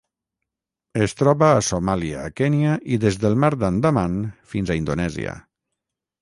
Es troba a Somàlia, Kenya i des del Mar d'Andaman fins a Indonèsia.